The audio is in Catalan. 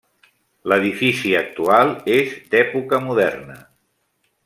L'edifici actual és d'època moderna.